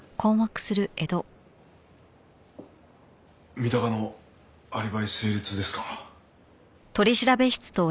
三鷹のアリバイ成立ですか。